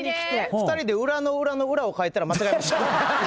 ２人で裏の裏の裏をかいたら間違えました。